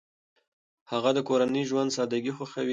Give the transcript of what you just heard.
هغه د کورني ژوند سادګي خوښوي.